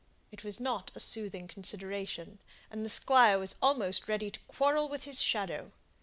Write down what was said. It was not a soothing consideration, and the Squire was almost ready to quarrel with his shadow.